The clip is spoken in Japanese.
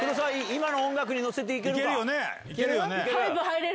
今の音楽に乗せていけるか？